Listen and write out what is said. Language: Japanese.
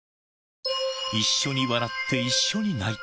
一緒に笑って、一緒に泣いた。